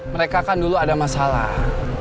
mereka kan dulu ada masalah